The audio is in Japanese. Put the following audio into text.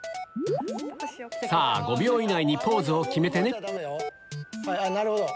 さぁ５秒以内にポーズを決めてねなるほど。